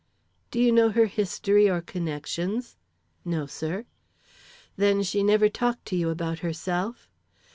"Do you know her history or connections?" "No, sir." "Then she never talked to you about herself?"